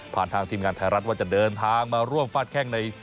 ทางทีมงานไทยรัฐว่าจะเดินทางมาร่วมฟาดแข้งใน